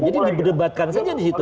jadi diberdebatkan saja di situ